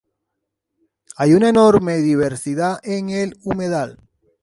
Hay una enorme diversidad en el humedal.